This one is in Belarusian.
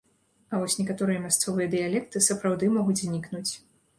А вось некаторыя мясцовыя дыялекты сапраўды могуць знікнуць.